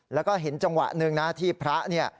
แล้วก็เห็นจังหวะหนึ่งนะที่พระเนี่ย